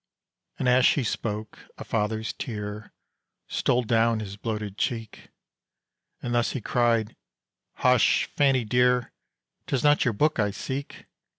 And as she spoke, a father's tear Stole down his bloated cheek; And thus he cried, "Hush, Fanny dear! 'Tis not your book I seek.